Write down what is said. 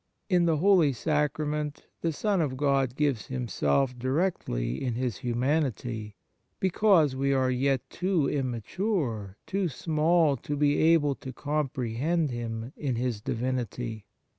In the Holy Sacrament the Son of God gives Himself directly in His humanity, because we are yet too immature, too small, to be able to comprehend Him in His Divinity.